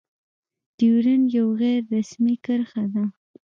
ډيورنډ يو غير رسمي کرښه ده.